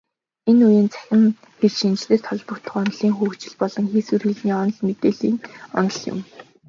Энэ үеийн цахим хэлшинжлэлд холбогдох онолын хөгжил бол хийсвэр хэлний онол, мэдээллийн онол юм.